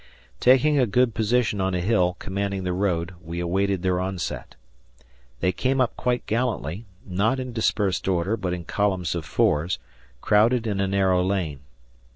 Taking a good position on a hill commanding the road we awaited their onset. They came up quite gallantly, not in dispersed order, but in columns of fours, crowded in a narrow lane.